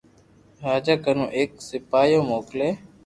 راجا ڪنو ايڪ سپايو موڪلي